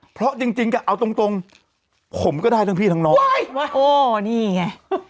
เพราะจริงก็เอาตรงผมก็ได้ทั้งพี่ทั้งน้องโอ้นี่ไง